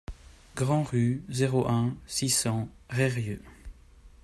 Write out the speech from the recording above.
Grande Rue, zéro un, six cents Reyrieux